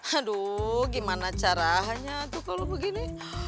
aduh gimana caranya tuh kalau begini